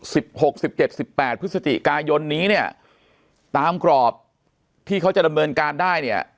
หกสิบเจ็ดสิบแปดพฤศจิกายนนี้เนี่ยตามกรอบที่เขาจะดำเนินการได้เนี่ย